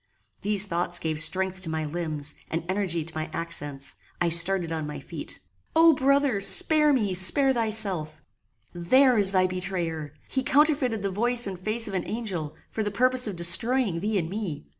These thoughts gave strength to my limbs, and energy to my accents: I started on my feet. "O brother! spare me, spare thyself: There is thy betrayer. He counterfeited the voice and face of an angel, for the purpose of destroying thee and me.